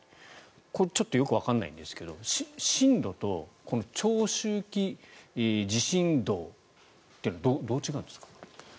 これちょっとよくわからないんですが震度と長周期地震動というのはどう違うんですか？